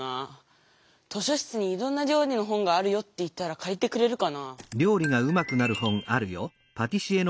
「図書室にいろんなりょうりの本があるよ」って言ったらかりてくれるかなぁ？